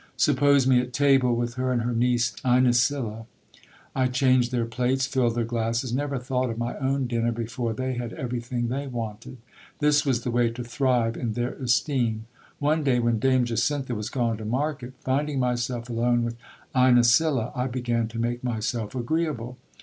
Suppose me at table, with her and her niece Inesilla ! I changed their plates, filled their glasses, never thought of my own dinner before they had everything they wanted. This was the way to thrive in their esteem. One day when Dame Jacintha was gone to market, finding myself alone with Inesilla, I began to make myself agreeable.